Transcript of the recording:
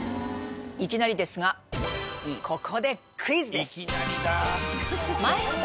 いきなりですがここでクイズです！